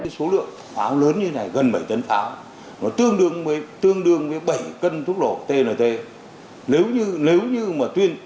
số lượng pháo lớn như này gần bảy tấn pháo nó tương đương với bảy cân thuốc nổ tnt